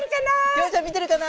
りょうちゃん見てるかな？